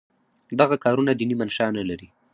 دغه کارونه دیني منشأ نه لري.